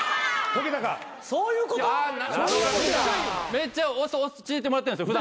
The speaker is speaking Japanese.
めっちゃおそ教えてもらってるんですよ